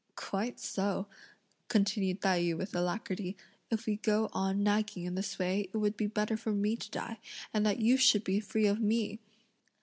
"Quite so!" continued Tai yü with alacrity, "if we go on nagging in this way, it would be better for me to die, and that you should be free of me!"